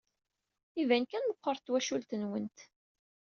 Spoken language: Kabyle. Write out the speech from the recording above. Iban kan meɣɣret twacult-nwent.